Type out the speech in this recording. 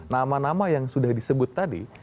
nama nama yang sudah disebut tadi